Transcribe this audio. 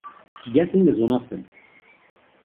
Guessing is one of them.